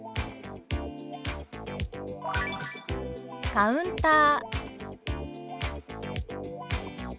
「カウンター」。